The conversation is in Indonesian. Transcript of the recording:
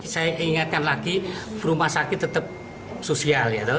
saya ingatkan lagi rumah sakit tetap sosial